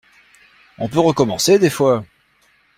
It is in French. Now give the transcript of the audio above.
On peut recommencer, des fois!